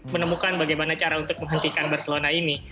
menemukan bagaimana cara untuk menghentikan barcelona ini